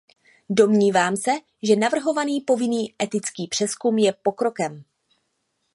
Domnívám se, že navrhovaný povinný etický přezkum je pokrokem.